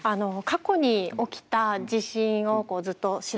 過去に起きた地震をずっと調べて。